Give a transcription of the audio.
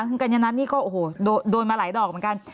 คุณกัญญัตินี่ก็โดนมาหลายดอกเหมือนกัน